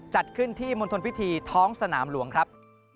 จัดขึ้นที่มณฑลพิธีท้องสนามหลวงครับ